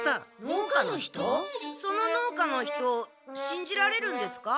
その農家の人しんじられるんですか？